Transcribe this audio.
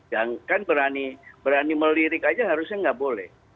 yang kan berani melirik aja harusnya nggak boleh